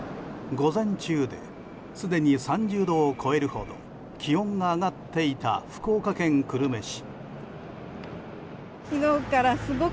午前中ですでに３０度を超えるほど気温が上がっていた福岡県久留米市。